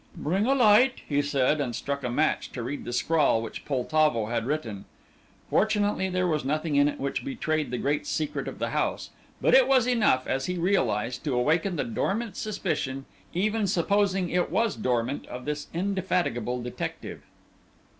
"Bring a light," he said, and struck a match to read the scrawl which Poltavo had written. Fortunately there was nothing in it which betrayed the great secret of the house, but it was enough, as he realized, to awaken the dormant suspicion, even supposing it was dormant, of this indefatigable detective.